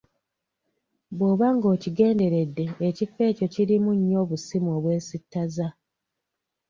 Bw’oba ng’okigenderedde ekifo ekyo kirimu nnyo obusimu obwesittaza.